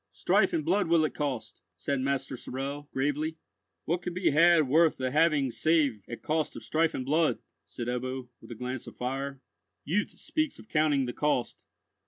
"Strife and blood will it cost," said Master Sorel, gravely. "What can be had worth the having save at cost of strife and blood?" said Ebbo, with a glance of fire. "Youth speaks of counting the cost.